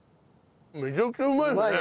めちゃくちゃうまいですね。